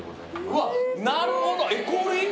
うわっなるほどえっ氷？